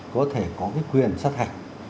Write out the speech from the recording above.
có thể có cái quyền sát hạch